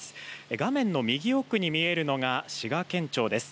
画面の右奥に見えるのが滋賀県庁です。